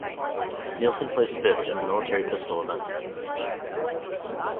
Nielsen placed fifth in the military pistol event.